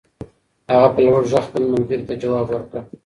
هغه په لوړ غږ خپل ملګري ته ځواب ور کړ.